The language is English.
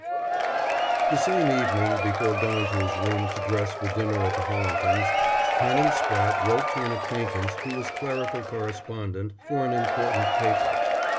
V The same evening, before going to his room to dress for dinner at the Hollingtons, Canon Spratte wrote to an acquaintance who was clerical correspondent for an important paper.